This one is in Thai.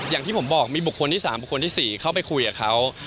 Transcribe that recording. อย่างที่ผมบอกมีบุคคลที่๓บุคคลที่๔เข้าไปคุยกับเขา